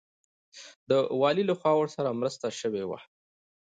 د والي لخوا ورسره مرسته شوې وه.